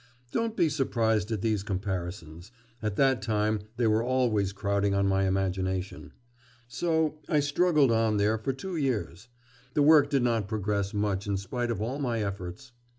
Don't be surprised at these comparisons; at that time they were always crowding on my imagination. So I struggled on there for two years. The work did not progress much in spite of all my efforts.